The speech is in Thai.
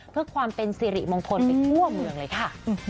เพื่อความเป็นสิริมงคลไปทั่วเมืองเลยค่ะ